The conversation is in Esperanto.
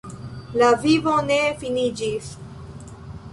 La vivo ne finiĝis.